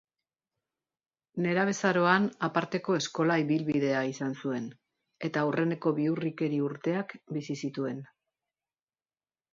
Nerabezaroan aparteko eskola ibilbidea izan zuen, eta aurreneko bihurrikeri urteak bizi zituen.